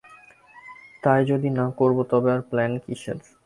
তাই যদি না করব তবে আর প্ল্যান কিসের।